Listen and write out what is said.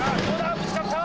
ぶつかった！